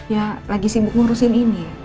ya lagi sibuk ngurusin ini